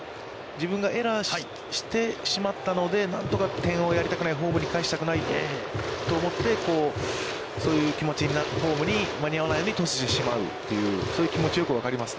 自分がエラーしてしまったので、何とか点をやりたくない、ホームに帰したくないと思って、そういう気持ちになって、ホームに間に合わないように突進してしまうそういう気持ちがよく分かります。